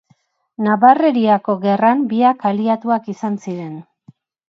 Nabarreriako Gerran biak aliatuak izan ziren.